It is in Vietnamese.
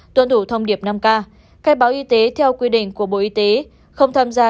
tuân thủ thông điệp năm k khai báo y tế theo quy định của bộ y tế không tham gia